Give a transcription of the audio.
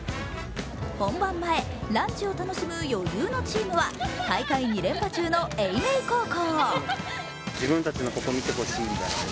本番前、ランチを楽しむ余裕のチームは、大会２連覇中の叡明高校。